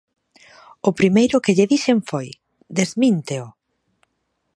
O primeiro que lle dixen foi: desmínteo!